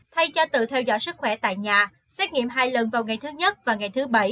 thay cho tự theo dõi sức khỏe tại nhà xét nghiệm hai lần vào ngày thứ nhất và ngày thứ bảy